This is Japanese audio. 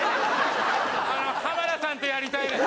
あの浜田さんとやりたいです